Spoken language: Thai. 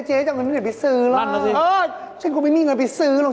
หนึ่งเสียงดามาไม่ต้องซื้อหรอก